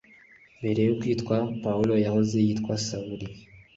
mbere yo kwitwa paulo yahoze yitwa sawuli